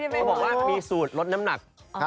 เขาบอกว่ามีสูตรลดน้ำหนัก